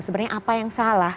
sebenarnya apa yang salah